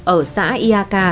ở xã ia ca